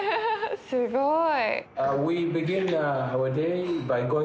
すごい。